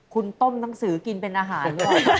คุณต้มหนังสือกินเป็นอาหาร